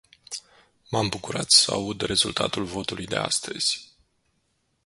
M-am bucurat să aud rezultatul votului de astăzi.